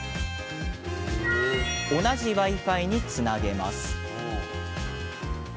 同じＷｉ−Ｆｉにつなげます。